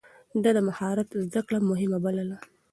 ده د مهارت زده کړه مهمه بلله.